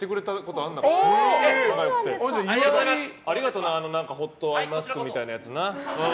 ありがとうなホットアイマスクみたいなやつ。